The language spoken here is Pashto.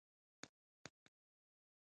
که پورتني ټکي مراعات شي نو پوپنکي نه پیدا کېږي.